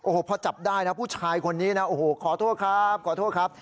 โอ้โฮพอจับได้นะผู้ชายคนนี้นะขอโทษครับ